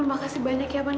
terima kasih banyak ya pak